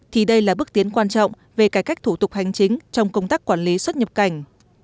thì đây là bước tiến quan trọng về cải cách thủ tục hành chính trong công tác quản lý xuất nhập cảnh